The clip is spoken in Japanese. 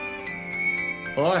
おい！